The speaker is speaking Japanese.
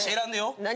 何？